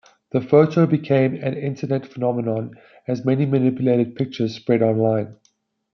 The photo became an Internet phenomenon as many manipulated pictures spread online.